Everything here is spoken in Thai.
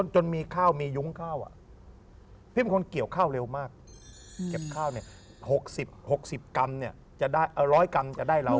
จนมีข้าวมียุ้งข้าวอะพี่มีคนเกี่ยวข้าวเร็วมากเกี่ยวข้าวเนี่ย๖๐กรัมเนี่ย๑๐๐กรัมจะได้เรา๔๐